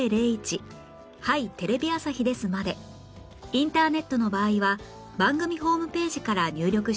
インターネットの場合は番組ホームページから入力してください